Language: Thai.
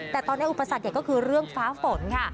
แต่ตอนนี้อุปสรรคใหญ่ก็คือเรื่องฟ้าฝนค่ะ